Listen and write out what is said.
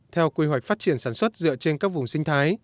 theo quy hoạch phát triển sản xuất dựa trên các vùng sinh thái